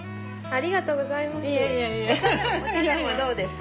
ありがとうございます。